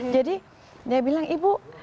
jadi dia bilang ibu